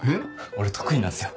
俺得意なんすよ。